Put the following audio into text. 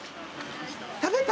食べた？